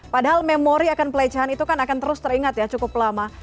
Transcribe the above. padahal memori akan pelecehan itu kan akan terus teringat ya cukup lama